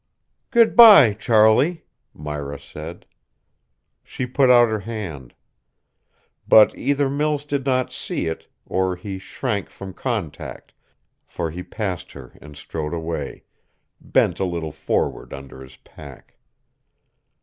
"Good by, Charlie," Myra said. She put out her hand. But either Mills did not see it or he shrank from contact, for he passed her and strode away, bent a little forward under his pack.